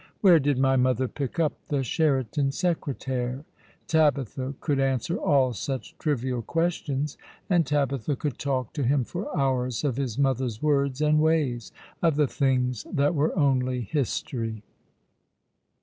Where did my mother pick up the Sheraton secretaire? Tabiiha could answer all such trivial questions : and Tabitha could talk to him for hours of his mother's words and ways— of the things that were only history.